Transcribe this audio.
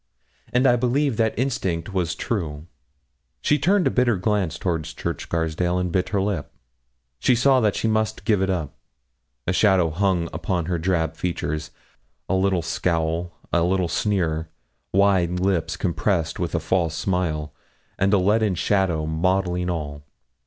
And I believe that instinct was true. She turned a bitter glance toward Church Scarsdale, and bit her lip. She saw that she must give it up. A shadow hung upon her drab features. A little scowl a little sneer wide lips compressed with a false smile, and a leaden shadow mottling all.